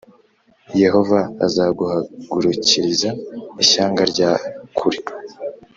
yehova azaguhagurukiriza ishyanga rya kure,+